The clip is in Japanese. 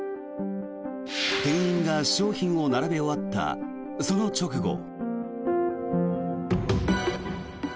店員が商品を並べ終わったその直後。